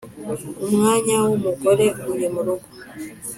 umwanya wumugore uri murugo